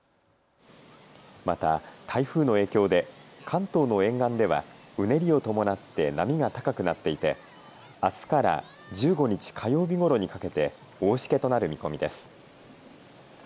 また台風の影響で関東の沿岸ではうねりを伴って波が高くなっていてあすから１５日火曜日ごろにかけて大しけとなる見込みです。